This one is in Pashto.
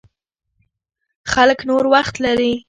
خلک نور وخت لري.